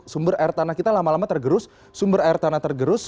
sumber air tanah kita lama lama tergerus sumber air tanah tergerus